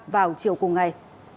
vào chiều cùng ngày